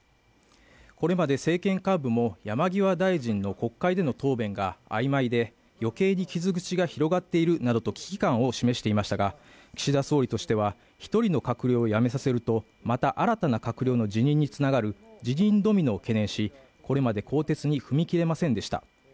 これまで政権幹部も山際大臣の国会での答弁が曖昧で余計に傷口が広がっているなどと危機感を示していましたが岸田総理としては一人の閣僚を辞めさせるとまた新たな閣僚の辞任につながる辞任ドミノを懸念し、これまで更迭に踏み切れませんでした。